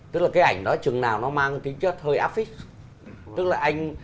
tức là cái ảnh đó chừng nào nó mang tính chất hơi áp phích